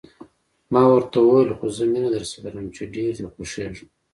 ما ورته وویل: خو زه مینه درسره لرم، چې ډېر دې خوښېږم.